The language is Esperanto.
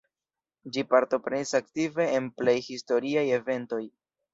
Ĝi partoprenis aktive en plej historiaj eventoj.